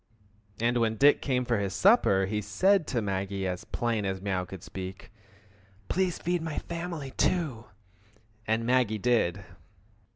And when Dick came for his supper he said to Maggie as plain as mew could speak, "Please feed my family, too!" and Maggie did.